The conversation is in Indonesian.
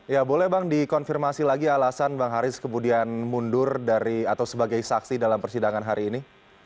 ya boleh bang dikonfirmasi lagi alasan bang haris kemudian mundur dari atau sebagai saksi dalam persidangan hari ini